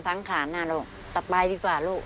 ทั้งทุกข์และสุข